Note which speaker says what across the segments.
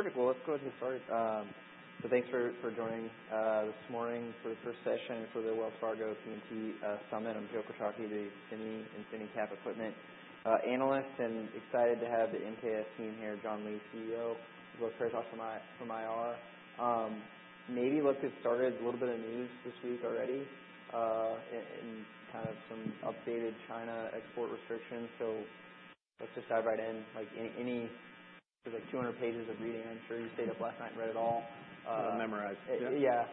Speaker 1: Perfect. Well, let's go ahead and get started. Thanks for joining this morning for the first session for the Wells Fargo TMT Summit. I'm Joe Quatrochi, the independent cap equipment analyst, and excited to have the MKS team here, John Lee, CEO, as well as Chris.
Speaker 2: Hi.
Speaker 1: From IR, maybe let's get started. A little bit of news this week already, and kind of some updated China export restrictions. So let's just dive right in. Like, anyway, there's like 200 pages of reading. I'm sure you stayed up last night and read it all.
Speaker 2: Memorized.
Speaker 1: Yeah.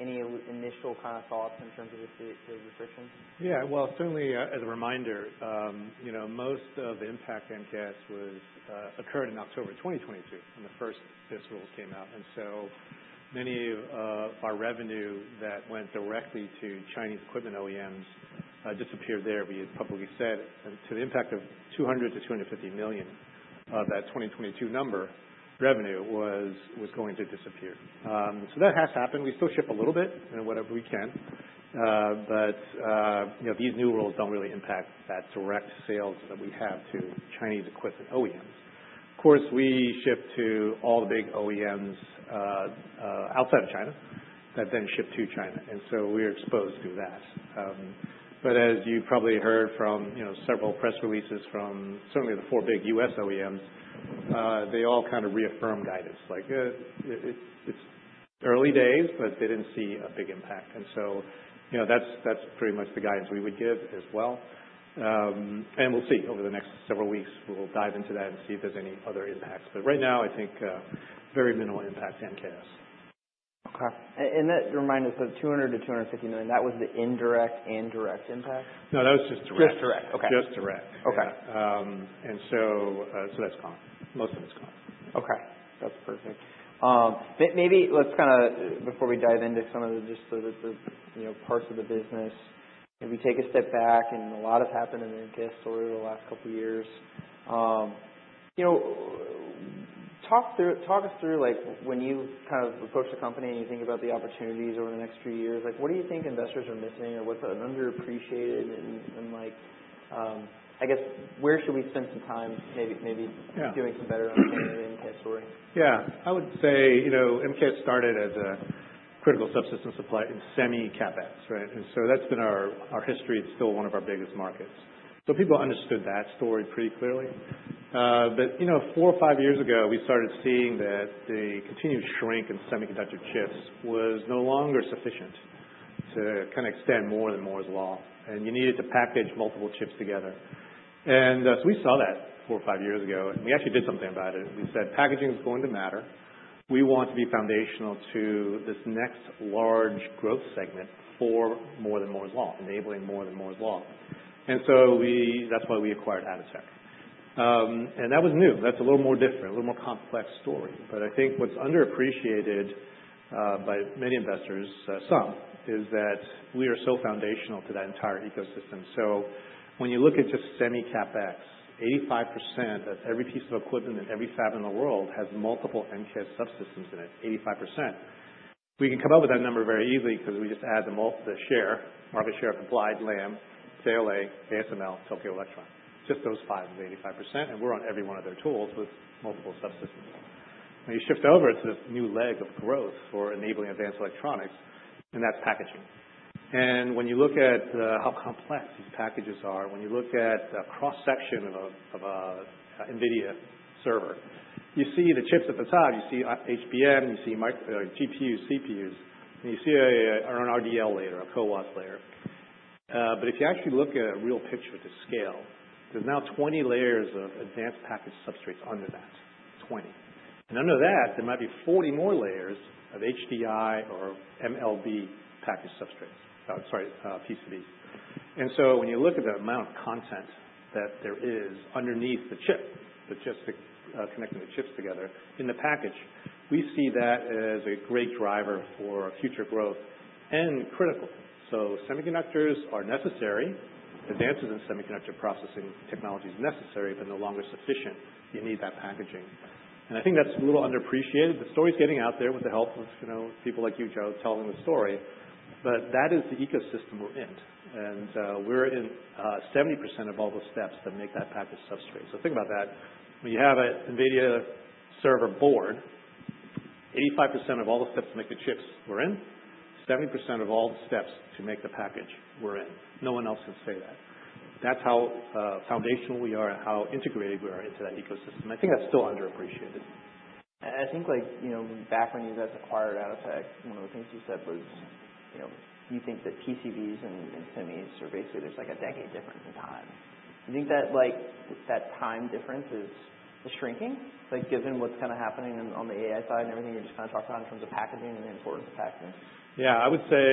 Speaker 1: Any initial kind of thoughts in terms of the restrictions?
Speaker 2: Yeah, well, certainly, as a reminder, you know, most of the impact to MKS occurred in October 2022 when the first BIS rules came out, and so many of our revenue that went directly to Chinese equipment OEMs disappeared there. We had publicly said the impact of $200 to $250 million of that 2022 number revenue was going to disappear, so that has happened. We still ship a little bit and whatever we can, but you know, these new rules don't really impact that direct sales that we have to Chinese equipment OEMs. Of course, we ship to all the big OEMs outside of China that then ship to China, and so we're exposed to that, but as you probably heard from you know several press releases from certainly the four big U.S. OEMs, they all kind of reaffirm guidance. Like, it's early days, but they didn't see a big impact, and so, you know, that's pretty much the guidance we would give as well, and we'll see over the next several weeks, we'll dive into that and see if there's any other impacts, but right now, I think, very minimal impact to MKS.
Speaker 1: Okay. And that reminds us of $200 million-$250 million. That was the indirect and direct impact?
Speaker 2: No, that was just direct.
Speaker 1: Just direct. Okay.
Speaker 2: Just direct.
Speaker 1: Okay.
Speaker 2: And so, so that's gone. Most of it's gone.
Speaker 1: Okay. That's perfect. Maybe let's kind of, before we dive into some of the, you know, parts of the business, maybe take a step back. A lot has happened in MKS story over the last couple of years. You know, talk us through, like, when you kind of approach the company and you think about the opportunities over the next few years, like, what do you think investors are missing or what's an underappreciated and, like, I guess, where should we spend some time maybe.
Speaker 2: Yeah.
Speaker 1: Doing some better understanding of MKS story?
Speaker 2: Yeah. I would say, you know, MKS started as a critical subsystem supply in Semi CapEx, right? And so that's been our history. It's still one of our biggest markets. So people understood that story pretty clearly, but you know, four or five years ago, we started seeing that the continued shrink in semiconductor chips was no longer sufficient to kind of extend more than Moore's Law, and you needed to package multiple chips together. So we saw that four or five years ago, and we actually did something about it. We said, "Packaging is going to matter. We want to be foundational to this next large growth segment for more than Moore's Law, enabling more than Moore's Law." That's why we acquired Atotech, and that was new. That's a little more different, a little more complex story. But I think what's underappreciated, by many investors, some, is that we are so foundational to that entire ecosystem. So when you look at just Semi CapEx, 85% of every piece of equipment in every fab in the world has multiple MKS subsystems in it, 85%. We can come up with that number very easily because we just add the market share of Applied, Lam, KLA, ASML, Tokyo Electron. Just those five is 85%. And we're on every one of their tools with multiple subsystems. When you shift over to this new leg of growth for enabling advanced electronics, and that's packaging. And when you look at, how complex these packages are, when you look at the cross-section of a NVIDIA server, you see the chips at the top. You see HBM, you see memory or GPUs, CPUs, and you see a RDL layer, a copper layer. But if you actually look at a real picture at the scale, there's now 20 layers of advanced package substrates under that, 20. And under that, there might be 40 more layers of HDI or MLB package substrates, sorry, PCBs. And so when you look at the amount of content that there is underneath the chip, just the connecting the chips together in the package, we see that as a great driver for future growth and critical. So semiconductors are necessary. Advances in semiconductor processing technology is necessary but no longer sufficient. You need that packaging. And I think that's a little underappreciated. The story's getting out there with the help of, you know, people like you, Joe, telling the story. But that is the ecosystem we're in. We're in 70% of all the steps that make that package substrate. Think about that. When you have a NVIDIA server board, 85% of all the steps to make the chips we're in 70% of all the steps to make the package we're in. No one else can say that. That's how foundational we are and how integrated we are into that ecosystem. I think that's still underappreciated.
Speaker 1: I think, like, you know, back when you guys acquired Atotech, one of the things you said was, you know, you think that PCBs and semis are basically there's like a decade difference in time. You think that, like, that time difference is shrinking, like, given what's kind of happening on the AI side and everything you're just kind of talked about in terms of packaging and the importance of packaging?
Speaker 2: Yeah. I would say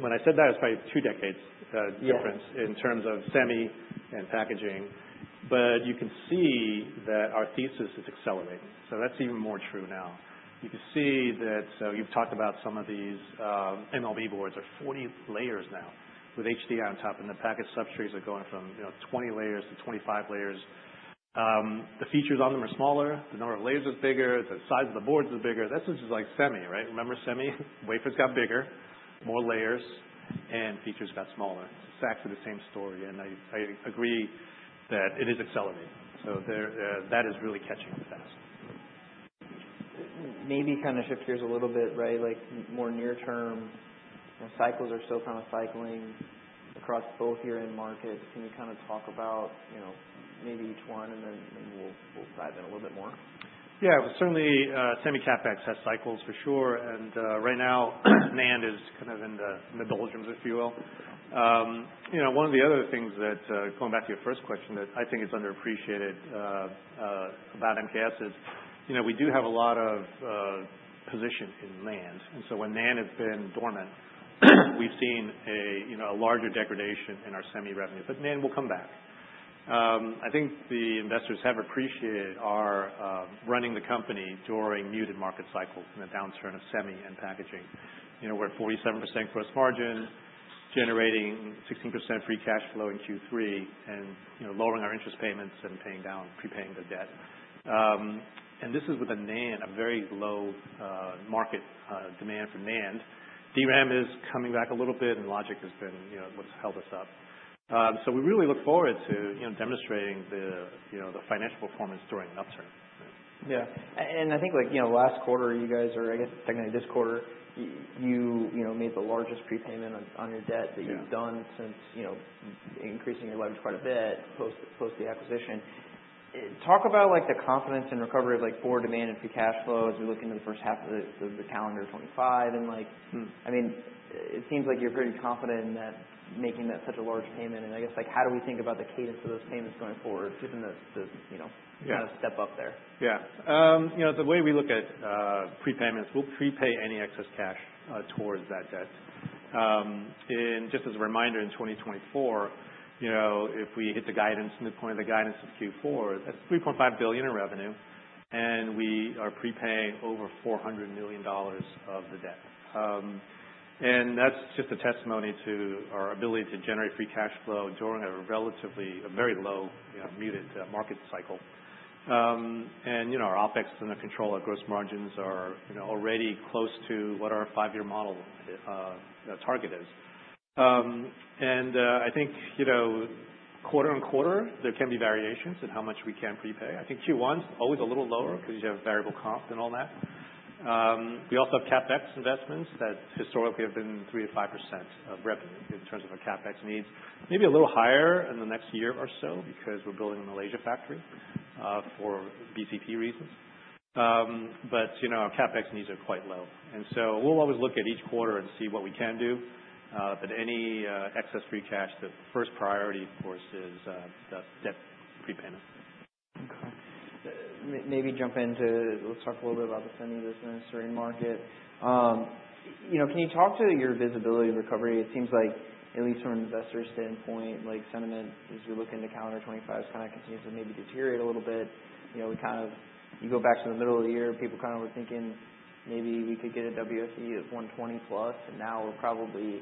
Speaker 2: when I said that, it was probably two decades difference.
Speaker 1: Yeah.
Speaker 2: In terms of semi and packaging, but you can see that our thesis is accelerating, so that's even more true now. You can see that, so you've talked about some of these. MLB boards are 40 layers now with HDI on top, and the package substrate is going from, you know, 20 layers to 25 layers. The features on them are smaller. The number of layers is bigger. The size of the boards is bigger. This is just like semi, right? Remember semi? Wafers got bigger, more layers, and features got smaller. It's exactly the same story, and I agree that it is accelerating, so there, that is really catching up fast.
Speaker 1: Maybe kind of shift gears a little bit, right? Like, more near-term, you know, cycles are still kind of cycling across both your end markets. Can you kind of talk about, you know, maybe each one and then we'll dive in a little bit more?
Speaker 2: Yeah. Well, certainly, Semi CapEx has cycles for sure. And right now, NAND is kind of in the doldrums, if you will. You know, one of the other things that, going back to your first question, that I think is underappreciated about MKS is, you know, we do have a lot of position in NAND. And so when NAND has been dormant, we've seen a, you know, a larger degradation in our semi revenue. But NAND will come back. I think the investors have appreciated our running the company during muted market cycles and the downturn of semi and packaging. You know, we're at 47% gross margin, generating 16% free cash flow in Q3 and, you know, lowering our interest payments and paying down, prepaying the debt. And this is with NAND, a very low market demand for NAND. DRAM is coming back a little bit, and Logic has been, you know, what's held us up, so we really look forward to, you know, demonstrating the, you know, the financial performance during an upturn.
Speaker 1: Yeah. And I think, like, you know, last quarter, you guys are, I guess, technically this quarter, you know, made the largest prepayment on your debt that you've done.
Speaker 2: Yeah.
Speaker 1: Since, you know, increasing your leverage quite a bit post the acquisition. Talk about, like, the confidence in recovery of, like, forward demand and free cash flow as we look into the first half of the calendar 2025, and like, I mean, it seems like you're pretty confident in that, making that such a large payment, and I guess, like, how do we think about the cadence of those payments going forward, given those, you know.
Speaker 2: Yeah.
Speaker 1: Kind of step up there?
Speaker 2: Yeah, you know, the way we look at prepayments, we'll prepay any excess cash towards that debt. Just as a reminder, in 2024, you know, if we hit the guidance midpoint of the guidance of Q4, that's $3.5 billion in revenue, and we are prepaying over $400 million of the debt, and that's just a testimony to our ability to generate free cash flow during a relatively very low, you know, muted market cycle. You know, our OpEx and the control of gross margins are, you know, already close to what our five-year model target is, and I think, you know, quarter on quarter, there can be variations in how much we can prepay. I think Q1's always a little lower because you have variable comp and all that. We also have CapEx investments that historically have been 3%-5% of revenue in terms of our CapEx needs. Maybe a little higher in the next year or so because we're building a Malaysia factory, for BCP reasons, but you know, our CapEx needs are quite low. And so we'll always look at each quarter and see what we can do, but any excess free cash, the first priority, of course, is the debt prepayment.
Speaker 1: Okay. Maybe jump into let's talk a little bit about the semi business or in-market. You know, can you talk to your visibility recovery? It seems like, at least from an investor standpoint, like, sentiment as we look into calendar 2025 is kind of continues to maybe deteriorate a little bit. You know, we kind of go back to the middle of the year, people kind of were thinking maybe we could get a WFE of 120 plus, and now we're probably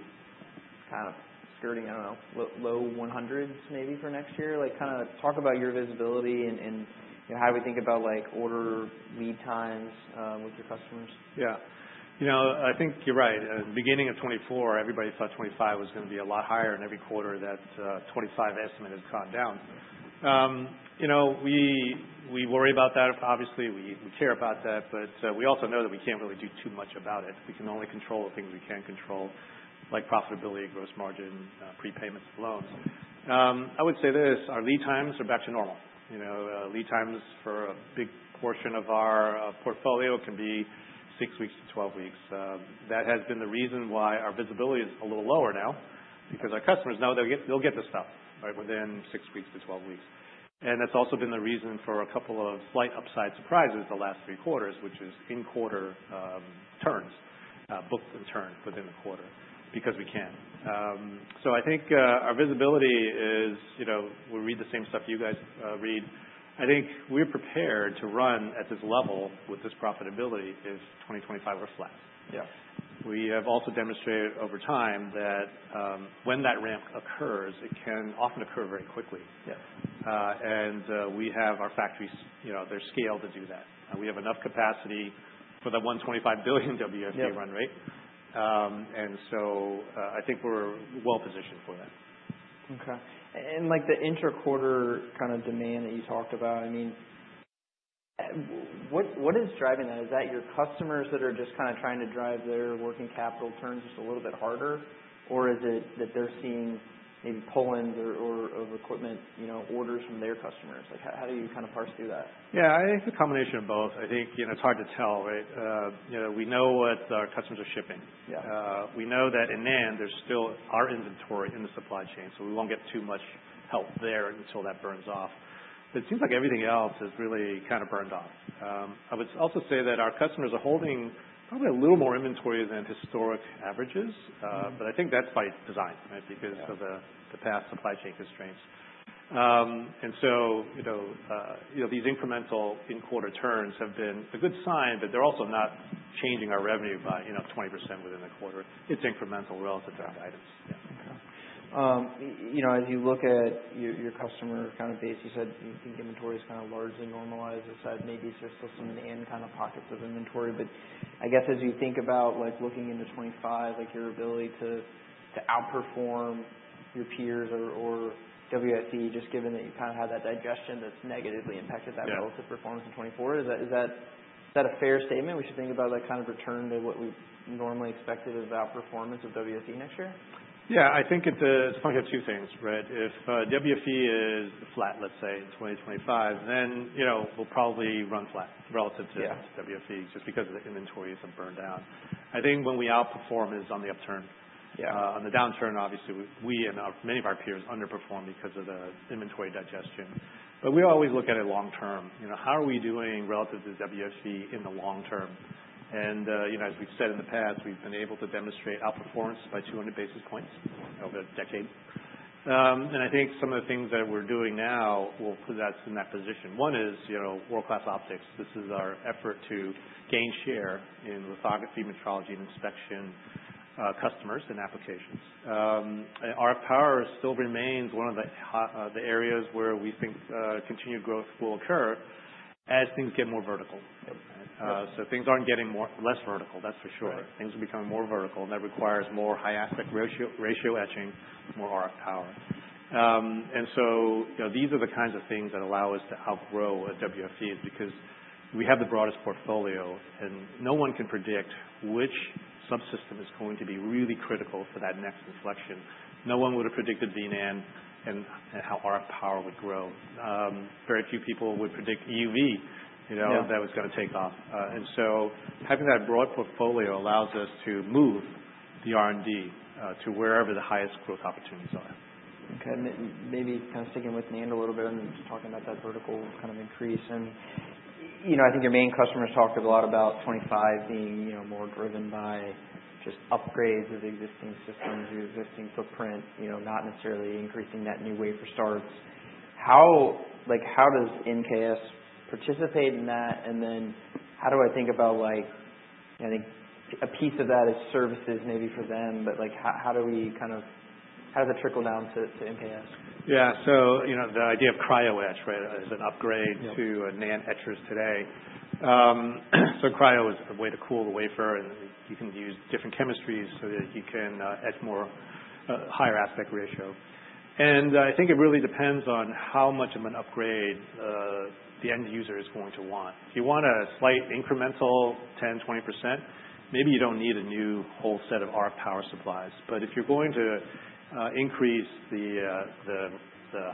Speaker 1: kind of skirting, I don't know, low 100s maybe for next year. Like, kind of talk about your visibility and, you know, how we think about, like, order lead times, with your customers.
Speaker 2: Yeah. You know, I think you're right. Beginning of 2024, everybody thought 2025 was going to be a lot higher and every quarter that 2025 estimate has gone down. You know, we worry about that, obviously. We care about that, but we also know that we can't really do too much about it. We can only control the things we can control, like profitability, gross margin, prepayments of loans. I would say this. Our lead times are back to normal. You know, lead times for a big portion of our portfolio can be six weeks to 12 weeks. That has been the reason why our visibility is a little lower now because our customers know they'll get the stuff, right, within six weeks to 12 weeks. And that's also been the reason for a couple of slight upside surprises the last three quarters, which is in-quarter turns, books and turns within the quarter because we can, so I think our visibility is, you know, we read the same stuff you guys read. I think we're prepared to run at this level with this profitability if 2025 reflects.
Speaker 1: Yeah.
Speaker 2: We have also demonstrated over time that, when that ramp occurs, it can often occur very quickly.
Speaker 1: Yeah.
Speaker 2: And we have our factories, you know. They're scaled to do that. We have enough capacity for the $125 billion WFE run rate.
Speaker 1: Yeah.
Speaker 2: And so, I think we're well positioned for that.
Speaker 1: Okay. Like, the intra-quarter kind of demand that you talked about, I mean, what is driving that? Is that your customers that are just kind of trying to drive their working capital turns just a little bit harder, or is it that they're seeing maybe pull-ins or of equipment, you know, orders from their customers? Like, how do you kind of parse through that?
Speaker 2: Yeah. I think it's a combination of both. I think, you know, it's hard to tell, right? You know, we know what our customers are shipping.
Speaker 1: Yeah.
Speaker 2: We know that in NAND, there's still our inventory in the supply chain, so we won't get too much help there until that burns off. But it seems like everything else has really kind of burned off. I would also say that our customers are holding probably a little more inventory than historic averages.
Speaker 1: Yeah.
Speaker 2: But I think that's by design, right, because of the.
Speaker 1: Yeah.
Speaker 2: The past supply chain constraints and so, you know, you know, these incremental in-quarter turns have been a good sign, but they're also not changing our revenue by, you know, 20% within the quarter. It's incremental relative to our guidance.
Speaker 1: Yeah. Okay. You know, as you look at your customer kind of base, you said you think inventory is kind of largely normalized outside maybe still some NAND kind of pockets of inventory. But I guess as you think about, like, looking into 2025, like, your ability to outperform your peers or WFE, just given that you kind of had that digestion that's negatively impacted that?
Speaker 2: Yeah.
Speaker 1: Relative performance in 2024, is that a fair statement? We should think about that kind of return to what we normally expected as outperformance of WFE next year?
Speaker 2: Yeah. I think it's probably two things, right? If WFE is flat, let's say, in 2025, then, you know, we'll probably run flat relative to.
Speaker 1: Yeah.
Speaker 2: WFE just because of the inventories have burned down. I think when we outperform is on the upturn.
Speaker 1: Yeah.
Speaker 2: On the downturn, obviously, we and many of our peers underperform because of the inventory digestion. But we always look at it long term. You know, how are we doing relative to WFE in the long term? And, you know, as we've said in the past, we've been able to demonstrate outperformance by 200 basis points over a decade. And I think some of the things that we're doing now will put us in that position. One is, you know, world-class optics. This is our effort to gain share in lithography, metrology, and inspection, customers and applications. Our power still remains one of the areas where we think continued growth will occur as things get more vertical.
Speaker 1: Yeah.
Speaker 2: So things aren't getting more less vertical, that's for sure.
Speaker 1: Right.
Speaker 2: Things are becoming more vertical, and that requires more high-aspect ratio etching, more RF power, and so, you know, these are the kinds of things that allow us to outgrow WFEs because we have the broadest portfolio, and no one can predict which subsystem is going to be really critical for that next inflection. No one would have predicted V-NAND and how RF power would grow. Very few people would predict EUV, you know.
Speaker 1: Yeah.
Speaker 2: That was going to take off, and so having that broad portfolio allows us to move the R&D to wherever the highest growth opportunities are.
Speaker 1: Okay. And maybe kind of sticking with NAND a little bit and just talking about that vertical kind of increase. And, you know, I think your main customers talked a lot about 2025 being, you know, more driven by just upgrades of existing systems, your existing footprint, you know, not necessarily increasing that new wafer starts. How, like, how does MKS participate in that? And then how do I think about, like, you know, I think a piece of that is services maybe for them, but, like, how does it trickle down to MKS?
Speaker 2: Yeah. So, you know, the idea of cryo etch, right, is an upgrade.
Speaker 1: Yeah.
Speaker 2: To a NAND etcher today. So cryo is a way to cool the wafer, and you can use different chemistries so that you can etch more higher aspect ratio. And I think it really depends on how much of an upgrade the end user is going to want. If you want a slight incremental 10%-20%, maybe you don't need a new whole set of RF power supplies. But if you're going to increase the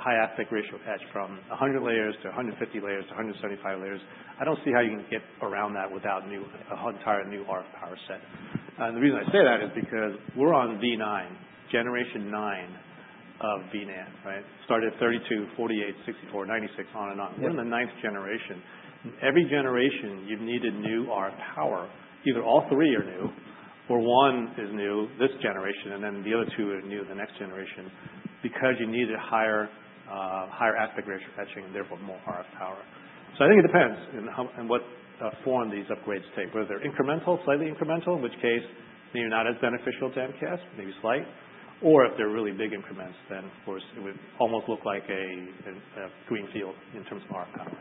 Speaker 2: high aspect ratio etch from 100 layers to 150 layers to 175 layers, I don't see how you can get around that without a whole entire new RF power set. And the reason I say that is because we're on V9, generation nine of V-NAND, right? Started 32, 48, 64, 96, on and on.
Speaker 1: Yeah.
Speaker 2: We're in the ninth generation. Every generation, you've needed new RF power. Either all three are new or one is new this generation, and then the other two are new the next generation because you needed higher, higher aspect ratio etching and therefore more RF power. So I think it depends on how and what form these upgrades take, whether they're incremental, slightly incremental, in which case maybe not as beneficial to MKS, maybe slight, or if they're really big increments, then, of course, it would almost look like a greenfield in terms of RF power.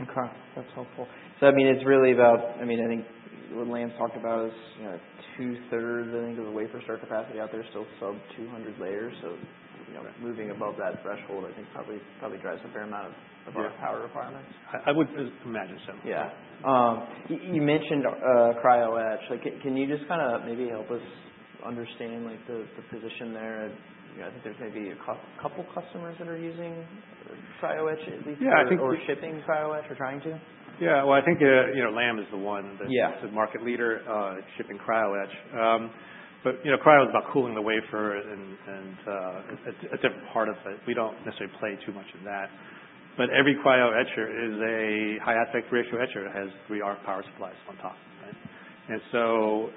Speaker 1: Okay. That's helpful. So, I mean, it's really about I mean, I think what Lam talked about is, you know, two-thirds, I think, of the wafer start capacity out there is still sub 200 layers. So, you know, moving above that threshold, I think probably drives a fair amount of RF power requirements.
Speaker 2: Yeah. I would imagine so.
Speaker 1: Yeah. You mentioned cryo etch. Like, can you just kind of maybe help us understand, like, the position there? You know, I think there's maybe a couple customers that are using cryo etch at least.
Speaker 2: Yeah. I think.
Speaker 1: Or shipping cryo etch, or trying to?
Speaker 2: Yeah. Well, I think, you know, Lam is the one that's.
Speaker 1: Yeah.
Speaker 2: The market leader shipping cryo etch, but you know, cryo is about cooling the wafer and a different part of it. We don't necessarily play too much in that, but every cryo etcher is a high aspect ratio etcher that has three RF power supplies on top, right? And so,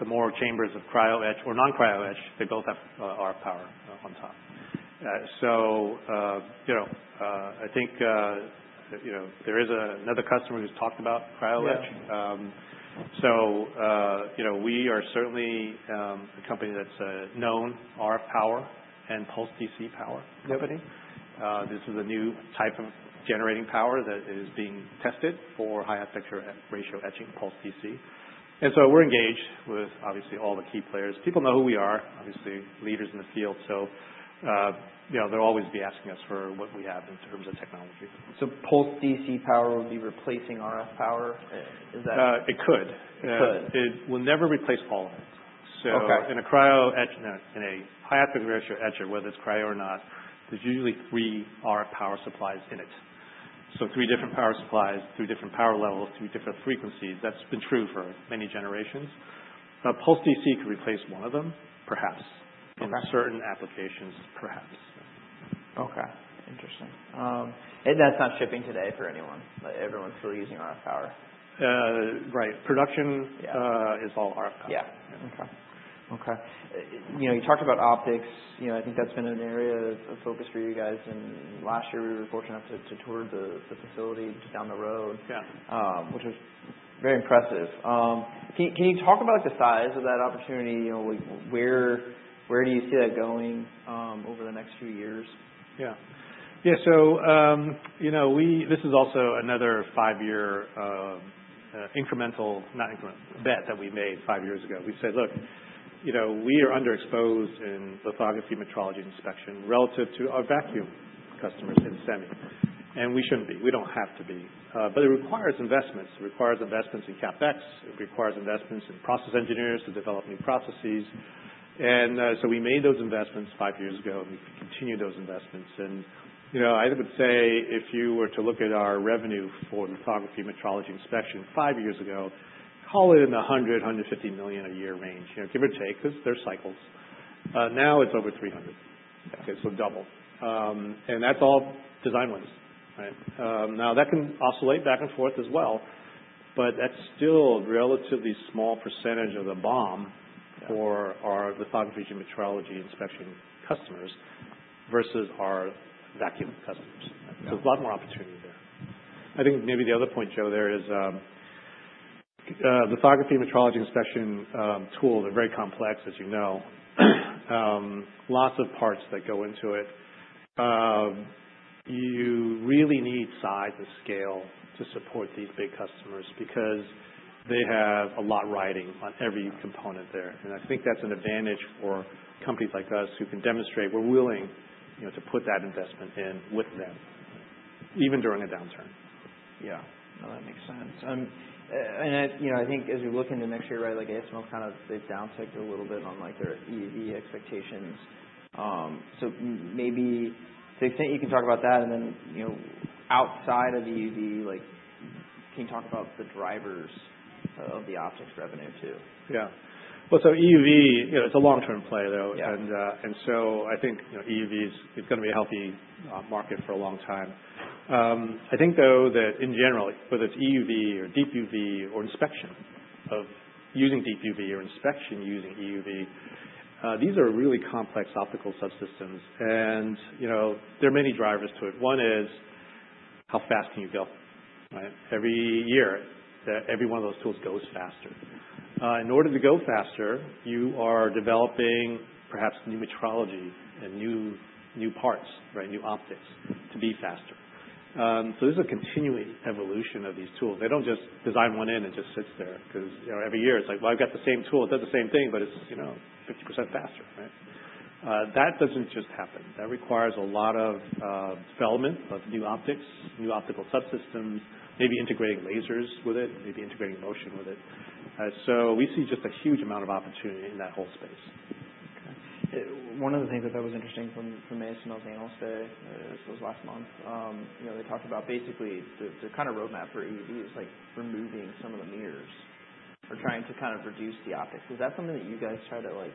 Speaker 2: the more chambers of cryo etch or non-cryo etch, they both have RF power on top, so you know, I think you know, there is another customer who's talked about cryo etch.
Speaker 1: Yeah.
Speaker 2: You know, we are certainly a company that's known RF power and pulsed DC power company.
Speaker 1: Yeah.
Speaker 2: This is a new type of generating power that is being tested for high aspect ratio etching pulsed DC, and so we're engaged with, obviously, all the key players. People know who we are, obviously, leaders in the field, so you know, they'll always be asking us for what we have in terms of technology.
Speaker 1: So pulsed DC power would be replacing RF power. Is that?
Speaker 2: it could.
Speaker 1: It could.
Speaker 2: It will never replace all of it. So.
Speaker 1: Okay.
Speaker 2: In a cryo etch, in a high aspect ratio etcher, whether it's cryo or not, there's usually three RF power supplies in it, so three different power supplies, three different power levels, three different frequencies. That's been true for many generations. Pulse DC could replace one of them, perhaps.
Speaker 1: Okay.
Speaker 2: In certain applications, perhaps.
Speaker 1: Okay. Interesting. And that's not shipping today for anyone. Like, everyone's still using RF power.
Speaker 2: right. Production.
Speaker 1: Yeah.
Speaker 2: is all RF power.
Speaker 1: Yeah. Okay. Okay. You know, you talked about optics. You know, I think that's been an area of focus for you guys. And last year, we were fortunate enough to tour the facility down the road.
Speaker 2: Yeah.
Speaker 1: Which was very impressive. Can you talk about, like, the size of that opportunity? You know, like, where do you see that going, over the next few years?
Speaker 2: Yeah. Yeah. So, you know, we this is also another five-year, incremental not incremental bet that we made five years ago. We said, "Look, you know, we are underexposed in lithography, metrology, and inspection relative to our vacuum customers in semi. And we shouldn't be. We don't have to be." But it requires investments. It requires investments in CapEx. It requires investments in process engineers to develop new processes. And so we made those investments five years ago, and we continue those investments. And, you know, I would say if you were to look at our revenue for lithography, metrology, inspection five years ago, call it in the $100-$150 million a year range, you know, give or take, because there's cycles. Now it's over $300 million.
Speaker 1: Yeah.
Speaker 2: Okay. So double and that's all design wins, right? Now, that can oscillate back and forth as well, but that's still a relatively small percentage of the BOM.
Speaker 1: Yeah.
Speaker 2: For our lithography and metrology inspection customers versus our vacuum customers.
Speaker 1: Yeah.
Speaker 2: So there's a lot more opportunity there. I think maybe the other point, Joe, there is, lithography, metrology, inspection, tools are very complex, as you know. Lots of parts that go into it. You really need size and scale to support these big customers because they have a lot riding on every component there, and I think that's an advantage for companies like us who can demonstrate we're willing, you know, to put that investment in with them even during a downturn.
Speaker 1: Yeah. No, that makes sense. And I, you know, I think as we look into next year, right, like, ASML kind of they've downsized a little bit on, like, their EUV expectations. So maybe to the extent you can talk about that and then, you know, outside of EUV, like, can you talk about the drivers of the optics revenue too?
Speaker 2: Yeah. Well, so EUV, you know, it's a long-term play, though.
Speaker 1: Yeah.
Speaker 2: I think, you know, EUV is going to be a healthy market for a long time. I think, though, that in general, whether it's EUV or Deep UV or inspection using deep UV or inspection using EUV, these are really complex optical subsystems. You know, there are many drivers to it. One is how fast can you go, right? Every year, every one of those tools goes faster. In order to go faster, you are developing perhaps new metrology and new parts, right, new optics to be faster. This is a continuing evolution of these tools. They don't just design one in and just sits there because, you know, every year it's like, "Well, I've got the same tool. It does the same thing, but it's, you know, 50% faster," right? That doesn't just happen. That requires a lot of development of new optics, new optical subsystems, maybe integrating lasers with it, maybe integrating motion with it, so we see just a huge amount of opportunity in that whole space.
Speaker 1: Okay. One of the things that was interesting from ASML's Analyst Day, this was last month, you know, they talked about basically the kind of roadmap for EUV is, like, removing some of the mirrors or trying to kind of reduce the optics. Is that something that you guys try to, like,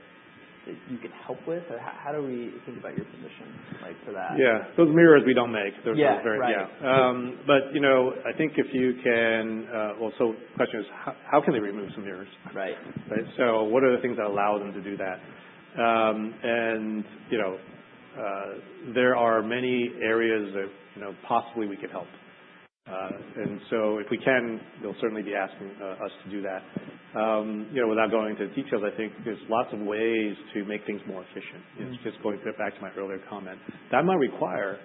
Speaker 1: that you can help with? Or how do we think about your position, like, for that?
Speaker 2: Yeah. Those mirrors, we don't make.
Speaker 1: Yeah.
Speaker 2: Those are very yeah.
Speaker 1: Right.
Speaker 2: You know, I think if you can. Well, so the question is, how can they remove some mirrors?
Speaker 1: Right.
Speaker 2: Right? So what are the things that allow them to do that? And, you know, there are many areas that, you know, possibly we could help. And so if we can, they'll certainly be asking us to do that. You know, without going into details, I think there's lots of ways to make things more efficient.
Speaker 1: Yeah.
Speaker 2: You know, just going back to my earlier comment, that might require,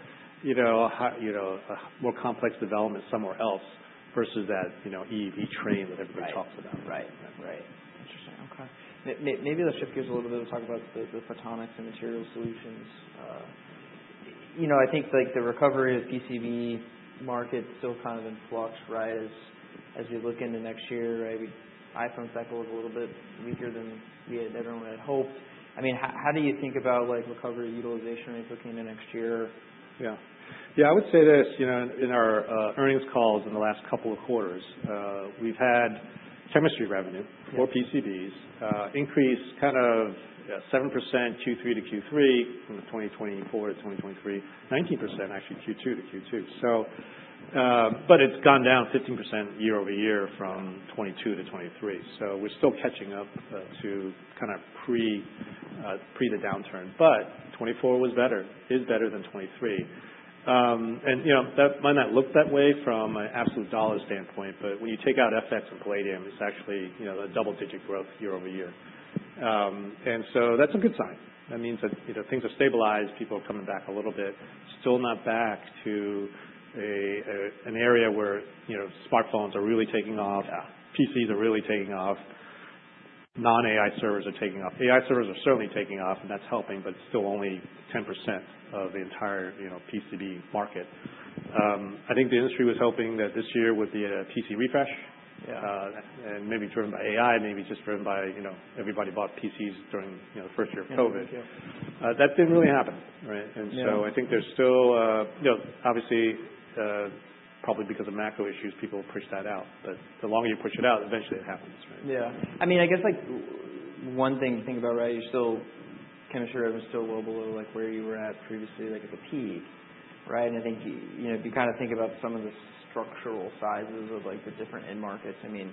Speaker 2: you know, a high, you know, a more complex development somewhere else versus that, you know, EUV train that everybody talks about.
Speaker 1: Maybe let's shift gears a little bit and talk about the photonics and material solutions. You know, I think, like, the recovery of the PCB market's still kind of in flux, right, as we look into next year, right? The iPhone cycle was a little bit weaker than everyone had hoped. I mean, how do you think about, like, recovery utilization rates looking into next year?
Speaker 2: Yeah. Yeah. I would say this, you know, in our earnings calls in the last couple of quarters, we've had chemistry revenue for PCBs increase kind of 7% Q3 to Q3 from 2024 to 2023, 19% actually Q2 to Q2. So but it's gone down 15% year over year from 2022 to 2023. So we're still catching up to kind of pre the downturn. But 2024 was better, is better than 2023. And you know, that might not look that way from an absolute dollar standpoint, but when you take out FX and palladium, it's actually, you know, a double-digit growth year over year. And so that's a good sign. That means that, you know, things have stabilized. People are coming back a little bit. Still not back to an area where, you know, smartphones are really taking off.
Speaker 1: Yeah.
Speaker 2: PCs are really taking off. Non-AI servers are taking off. AI servers are certainly taking off, and that's helping, but still only 10% of the entire, you know, PCB market. I think the industry was hoping that this year would be a PC refresh.
Speaker 1: Yeah.
Speaker 2: And maybe driven by AI, maybe just driven by, you know, everybody bought PCs during, you know, the first year of COVID.
Speaker 1: Yeah.
Speaker 2: That didn't really happen, right?
Speaker 1: Yeah.
Speaker 2: I think there's still, you know, obviously, probably because of macro issues, people pushed that out. The longer you push it out, eventually it happens, right?
Speaker 1: Yeah. I mean, I guess, like, one thing to think about, right, your chemistry revenue is still well below, like, where you were at previously, like, at the peak, right? And I think, you know, if you kind of think about some of the structural sizes of, like, the different end markets, I mean,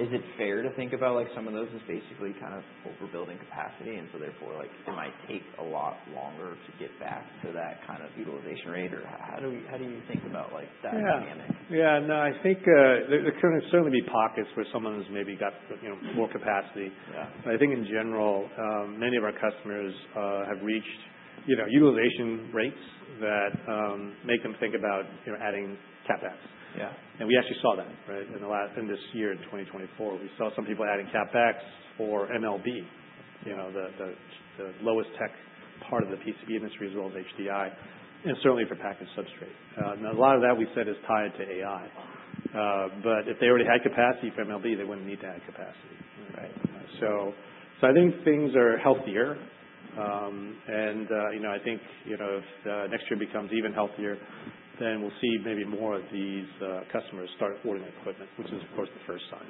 Speaker 1: is it fair to think about, like, some of those as basically kind of overbuilding capacity? And so therefore, like, it might take a lot longer to get back to that kind of utilization rate? Or how do you think about, like, that dynamic?
Speaker 2: Yeah. Yeah. No, I think there could certainly be pockets where someone has maybe got, you know, more capacity.
Speaker 1: Yeah.
Speaker 2: But I think in general, many of our customers have reached, you know, utilization rates that make them think about, you know, adding CapEx.
Speaker 1: Yeah.
Speaker 2: And we actually saw that, right, in the last in this year in 2024. We saw some people adding CapEx or MLB, you know, the lowest tech part of the PCB industry as well as HDI, and certainly for package substrate. And a lot of that we said is tied to AI. But if they already had capacity for MLB, they wouldn't need to add capacity.
Speaker 1: Right.
Speaker 2: I think things are healthier, and you know, I think, you know, if next year becomes even healthier, then we'll see maybe more of these customers start ordering equipment, which is, of course, the first sign.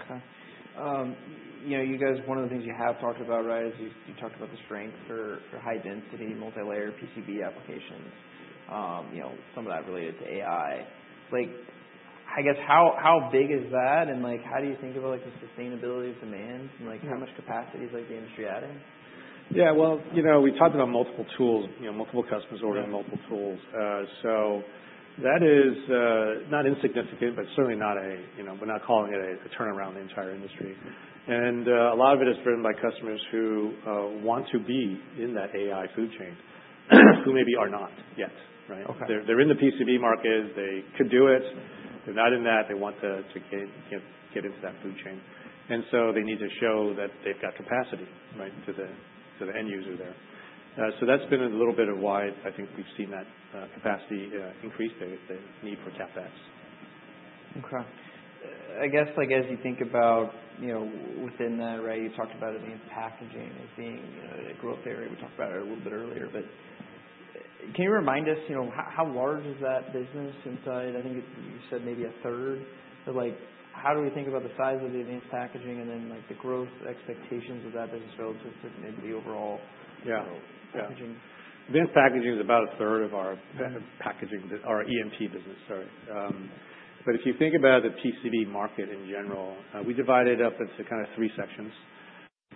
Speaker 1: Okay. You know, you guys, one of the things you have talked about, right, is you talked about the strength for high-density multi-layer PCB applications. You know, some of that related to AI. Like, I guess, how big is that? And, like, how do you think about, like, the sustainability of demand and, like.
Speaker 2: Yeah.
Speaker 1: How much capacity is, like, the industry adding?
Speaker 2: Yeah. Well, you know, we talked about multiple tools, you know, multiple customers ordering multiple tools, so that is not insignificant, but certainly not a, you know. We're not calling it a turnaround in the entire industry, and a lot of it is driven by customers who want to be in that AI food chain, who maybe are not yet, right?
Speaker 1: Okay.
Speaker 2: They're in the PCB market. They could do it. They're not in that. They want to get into that food chain, and so they need to show that they've got capacity, right, to the end user there, so that's been a little bit of why I think we've seen that capacity increase, the need for CapEx.
Speaker 1: Okay. I guess, like, as you think about, you know, within that, right? You talked about advanced packaging as being, you know, a growth area. We talked about it a little bit earlier. But can you remind us, you know, how large is that business inside? I think you said maybe a third. But, like, how do we think about the size of the advanced packaging and then, like, the growth expectations of that business relative to maybe the overall, you know, packaging?
Speaker 2: Yeah. Advanced packaging is about a third of our packaging or E&P business, sorry. But if you think about the PCB market in general, we divide it up into kind of three sections.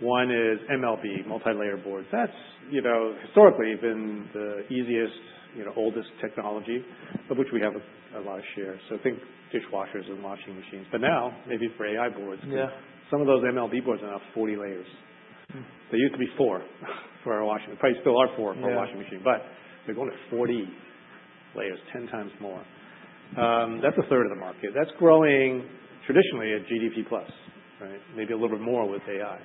Speaker 2: One is MLB, multi-layer boards. That's, you know, historically been the easiest, you know, oldest technology, of which we have a lot of share. So think dishwashers and washing machines. But now, maybe for AI boards.
Speaker 1: Yeah.
Speaker 2: Because some of those MLB boards are now 40 layers. They used to be four for our washing machines. Probably still are four for our washing machines.
Speaker 1: Yeah.
Speaker 2: But they're going to 40 layers, 10 times more. That's a third of the market. That's growing traditionally at GDP plus, right? Maybe a little bit more with AI.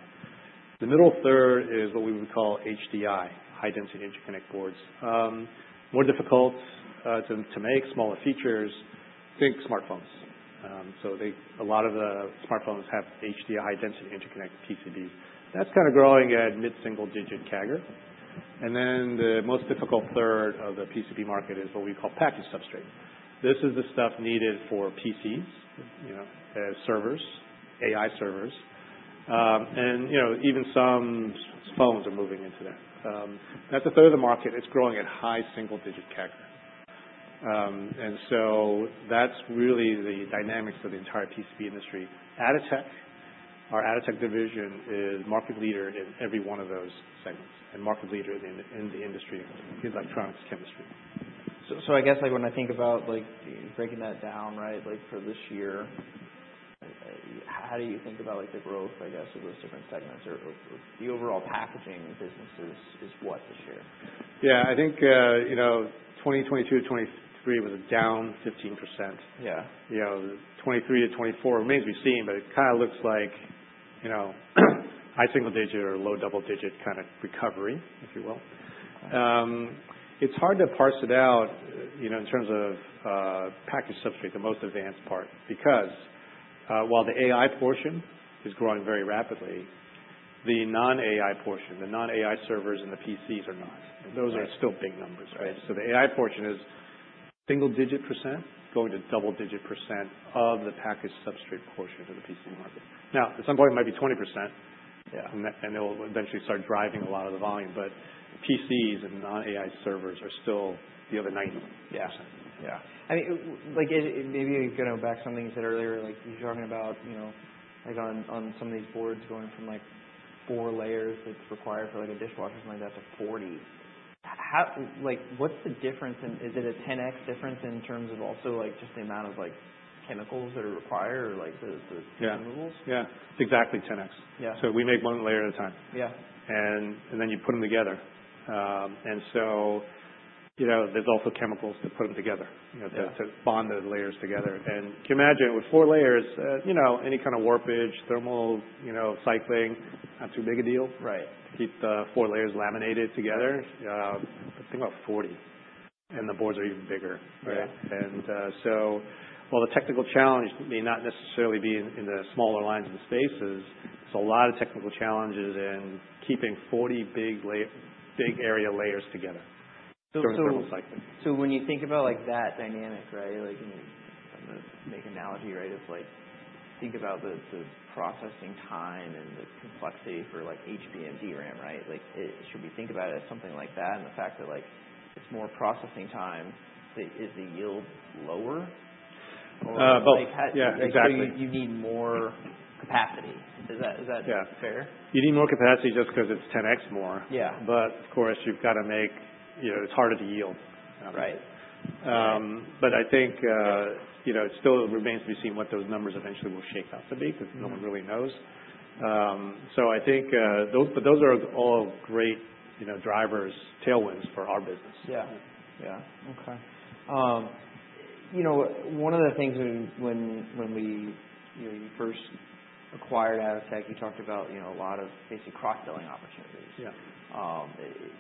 Speaker 2: The middle third is what we would call HDI, high-density interconnect boards. More difficult to make, smaller features. Think smartphones. So a lot of the smartphones have HDI, high-density interconnect PCB. That's kind of growing at mid-single-digit CAGR. And then the most difficult third of the PCB market is what we call package substrate. This is the stuff needed for PCs, you know, as servers, AI servers. And you know, even some phones are moving into that. That's a third of the market. It's growing at high single-digit CAGR. And so that's really the dynamics of the entire PCB industry. Atotech, our Atotech division, is market leader in every one of those segments and market leader in the industry in electronics, chemistry.
Speaker 1: I guess, like, when I think about, like, breaking that down, right, like, for this year, how do you think about, like, the growth, I guess, of those different segments or the overall packaging business is what this year?
Speaker 2: Yeah. I think, you know, 2022 to 2023 was a down 15%.
Speaker 1: Yeah.
Speaker 2: You know, 2023 to 2024 remains to be seen, but it kind of looks like, you know, high single-digit or low double-digit kind of recovery, if you will. It's hard to parse it out, you know, in terms of, package substrate, the most advanced part, because, while the AI portion is growing very rapidly, the non-AI portion, the non-AI servers and the PCs are not. And those are still big numbers, right? So the AI portion is single-digit % going to double-digit % of the package substrate portion of the PC market. Now, at some point, it might be 20%.
Speaker 1: Yeah.
Speaker 2: It'll eventually start driving a lot of the volume. PCs and non-AI servers are still the other 90%.
Speaker 1: Yeah. Yeah. I mean, like, is maybe we can go back to something you said earlier. Like, you were talking about, you know, like, on some of these boards going from, like, four layers that's required for, like, a dishwasher or something like that to 40. How, like, what's the difference? And is it a 10X difference in terms of also, like, just the amount of, like, chemicals that are required or, like, the, the.
Speaker 2: Yeah.
Speaker 1: Removals?
Speaker 2: Yeah. It's exactly 10X.
Speaker 1: Yeah.
Speaker 2: So we make one layer at a time.
Speaker 1: Yeah.
Speaker 2: Then you put them together. So, you know, there's also chemicals to put them together, you know, to bond those layers together. Can you imagine with four layers, you know, any kind of warpage, thermal, you know, cycling, not too big a deal.
Speaker 1: Right.
Speaker 2: To keep the four layers laminated together, think about 40, and the boards are even bigger, right?
Speaker 1: Yeah.
Speaker 2: While the technical challenge may not necessarily be in the smaller line spaces, there's a lot of technical challenges in keeping 40 big layer big area layers together.
Speaker 1: So.
Speaker 2: Thermal cycling.
Speaker 1: So when you think about, like, that dynamic, right, like, you know, I'm going to make an analogy, right, of, like, think about the processing time and the complexity for, like, HBM DRAM, right? Like, it should be think about it as something like that and the fact that, like, it's more processing time, is the yield lower or, like.
Speaker 2: Both.
Speaker 1: Yeah.
Speaker 2: Exactly.
Speaker 1: You need more capacity. Is that?
Speaker 2: Yeah.
Speaker 1: Fair?
Speaker 2: You need more capacity just because it's 10X more.
Speaker 1: Yeah.
Speaker 2: But of course, you've got to make, you know, it's harder to yield.
Speaker 1: Right.
Speaker 2: But I think, you know, it still remains to be seen what those numbers eventually will shake out to be because no one really knows. So I think those, but those are all great, you know, drivers, tailwinds for our business.
Speaker 1: Yeah. Yeah. Okay. You know, one of the things when we, you know, you first acquired Atotech, you talked about, you know, a lot of basically cross-selling opportunities.
Speaker 2: Yeah.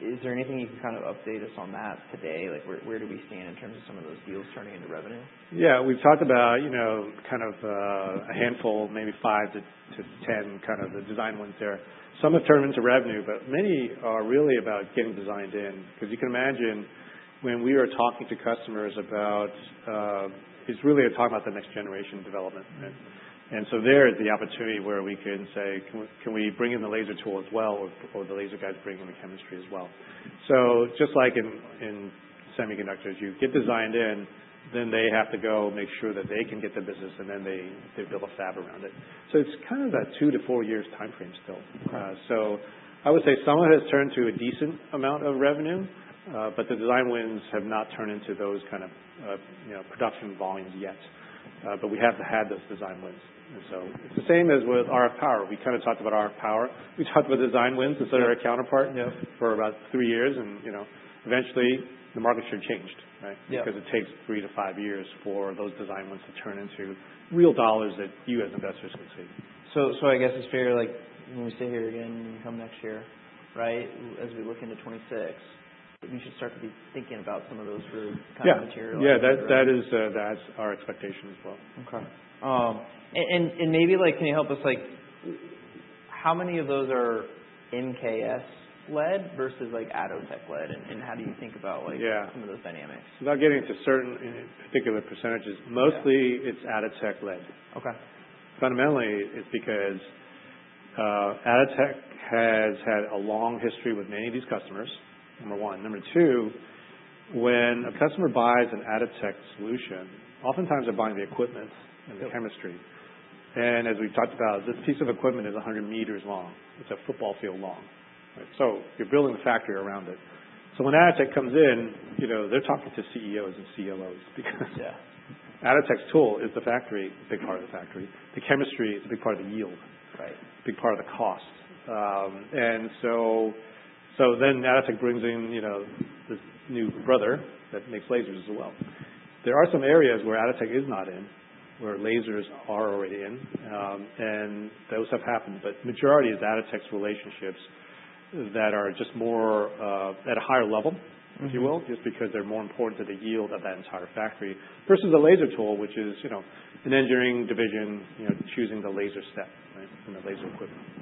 Speaker 1: Is there anything you can kind of update us on that today? Like, where do we stand in terms of some of those deals turning into revenue?
Speaker 2: Yeah. We've talked about, you know, kind of, a handful, maybe 5 to 10, kind of the design wins there. Some have turned into revenue, but many are really about getting designed in. Because you can imagine when we are talking to customers about, it's really talking about the next generation development. And so there is the opportunity where we can say, "Can we bring in the laser tool as well or the laser guys bring in the chemistry as well?" So just like in semiconductors, you get designed in, then they have to go make sure that they can get the business, and then they build a fab around it. So it's kind of a two to four years timeframe still.
Speaker 1: Okay.
Speaker 2: So I would say some of it has turned to a decent amount of revenue, but the design wins have not turned into those kind of, you know, production volumes yet. But we have had those design wins. And so it's the same as with RF Power. We kind of talked about RF Power. We talked about design wins instead of our counterpart.
Speaker 1: Yeah.
Speaker 2: For about three years, and you know, eventually the market should have changed, right?
Speaker 1: Yeah.
Speaker 2: Because it takes three to five years for those design wins to turn into real dollars that you as investors can see.
Speaker 1: I guess it's fair, like, when we sit here again and come next year, right, as we look into 2026, we should start to be thinking about some of those really kind of materials.
Speaker 2: Yeah. Yeah. That is, that's our expectation as well.
Speaker 1: Okay, and maybe, like, can you help us, like, how many of those are MKS-led versus, like, Atotech-led? And how do you think about, like.
Speaker 2: Yeah.
Speaker 1: Some of those dynamics?
Speaker 2: Without getting into certain particular percentages, mostly it's Atotech-led.
Speaker 1: Okay.
Speaker 2: Fundamentally, it's because Atotech has had a long history with many of these customers, number one. Number two, when a customer buys an Atotech solution, oftentimes they're buying the equipment and the chemistry. And as we've talked about, this piece of equipment is 100 meters long. It's a football field long, right? So you're building the factory around it. So when Atotech comes in, you know, they're talking to CEOs and COOs because.
Speaker 1: Yeah.
Speaker 2: Atotech's tool is the factory, a big part of the factory. The chemistry is a big part of the yield.
Speaker 1: Right.
Speaker 2: Big part of the cost, and so then Atotech brings in, you know, this new brother that makes lasers as well. There are some areas where Atotech is not in, where lasers are already in, and those have happened, but the majority is Atotech's relationships that are just more, at a higher level, if you will, just because they're more important to the yield of that entire factory versus the laser tool, which is, you know, an engineering division, you know, choosing the laser step, right, and the laser equipment.